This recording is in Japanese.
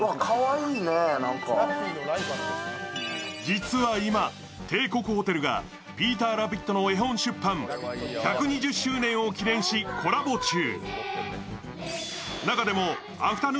実は今、帝国ホテルがピーターラビットの絵本出版１２０周年を記念しコラボ中。